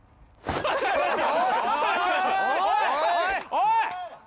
おい！